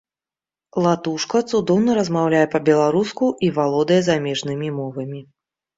Латушка цудоўна размаўляе па-беларуску і валодае замежнымі мовамі.